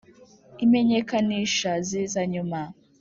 Imenyekanisha ziza nyuma.